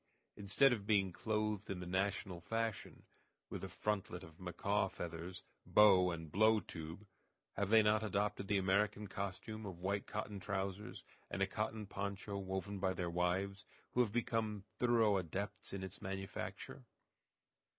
Instead of being clothed in the national fashion, with a frontlet of macaw feathers, bow, and blow tube, have they not adopted the American costume of white cotton trousers, and a cotton poncho woven by their wives, who have become thorough adepts in its manufacture?